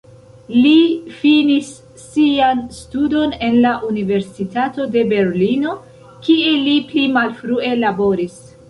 Li finis sian studon en la Universitato de Berlino, kie li pli malfrue laboris.